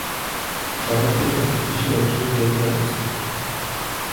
শহরটি একটি কৃষি অঞ্চলের কেন্দ্রে অবস্থিত।